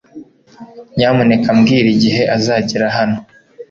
Nyamuneka mbwira igihe azagera hano